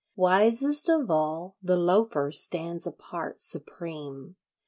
Wisest of all, the Loafer stands apart supreme.